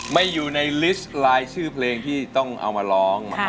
ไม่อยู่ในลิสต์ลายชื่อเพลงที่ต้องเอามาร้อง